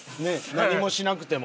何もしなくても。